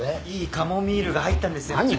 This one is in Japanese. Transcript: いいカモミールが入ったんですよ。